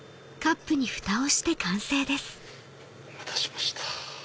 お待たせしました。